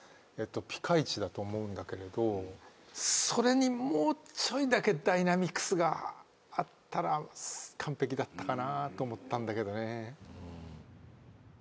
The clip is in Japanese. ピカイチだと思うんだけれどそれにもうちょいだけダイナミクスがあったら完璧だったかなと思ったんだけどね。